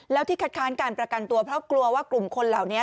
แล้วที่คัดค้านการประกันตัวเพราะกลัวว่ากลุ่มคนเหล่านี้